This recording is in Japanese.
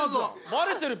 バレてるぞ。